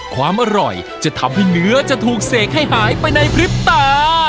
ความอร่อยจะทำให้เนื้อจะถูกเสกให้หายไปในพริบตา